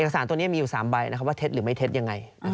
เอกสารตัวนี้มีอยู่๓ใบว่าเท็จหรือไม่เท็จอย่างไร